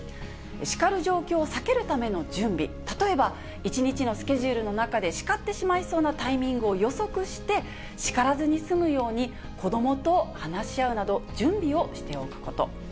叱る状況を避けるための準備、例えば、１日のスケジュールの中で叱ってしまいそうなタイミングを予測して、叱らずに済むように子どもと話し合うなど、準備をしておくこと。